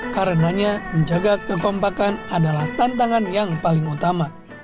karenanya menjaga kekompakan adalah tantangan yang paling utama